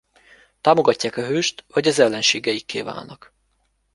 Támogatják a hőst vagy az ellenségeikké válnak.